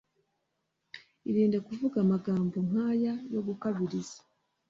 Irinde kuvuga amagambo nk aya yo gukabiriza